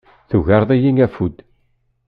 Tugareḍ-iyi afud.